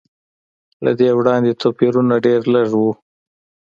له دې وړاندې توپیرونه ډېر لږ و.